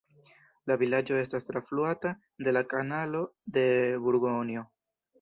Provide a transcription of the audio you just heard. La vilaĝo estas trafluata de la kanalo de Burgonjo.